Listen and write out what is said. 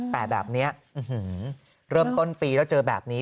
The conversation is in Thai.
แต่แบบนี้เริ่มต้นปีแล้วเจอแบบนี้